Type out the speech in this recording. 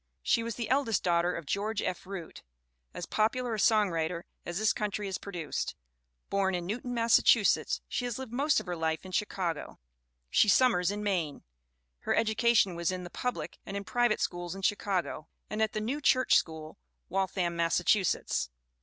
She was the eldest daughter of George F. Root, as popular a songwriter as this country has produced. Born in Newton, Massachusetts, she has lived most of her life in Chicago. She summers in Maine. Her education was in the public and in pri vate schools in Chicago, and at the New Church School, Waltham, Massachusetts.